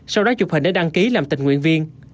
sau đó chụp hình để đăng ký làm tình nguyện viên